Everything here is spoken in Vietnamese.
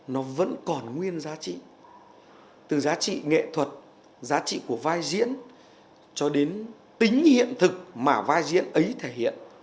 nó vẫn còn nguyên giá trị từ giá trị nghệ thuật giá trị của vai diễn cho đến tính hiện thực mà vai diễn ấy thể hiện